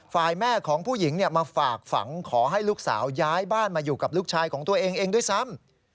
ฝ่ายแม่ของผู้หญิงมาฝากฝังขอให้ลูกสาวย้ายบ้านมาอยู่กับลูกชายของตัวเองเองด้วยซ้ำ